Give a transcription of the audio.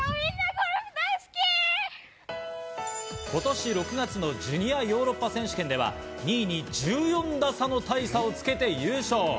今年６月のジュニアヨーロッパ選手権では２位に１４打差の大差をつけて優勝。